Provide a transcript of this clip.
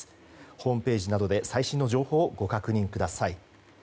ホームページなどで最新の情報をご確認ください。